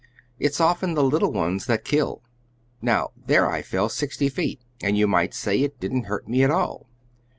"It's often the little ones that kill. Now, there I fell sixty feet, and you might say it didn't hurt me at all.